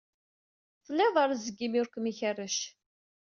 Tlid rezg imi ur kem-ikerrec.